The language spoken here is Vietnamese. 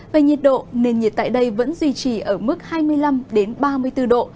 về nhiệt độ nền nhiệt tại đây vẫn duy trì ở mức hai mươi năm ba mươi bốn độ